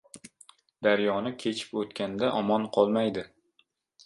daryoni kechib o‘tganda omon qolmaydi.